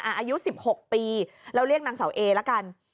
อายุ๑๖ปีเราเรียกนางเสาเอละกัน